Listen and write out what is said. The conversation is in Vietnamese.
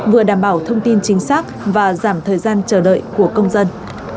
vừa đảm bảo thông tin chính xác và giảm thời gian chờ đợi của công dân